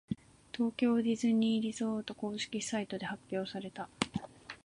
東京ディズニーリゾート公式サイトで発表された。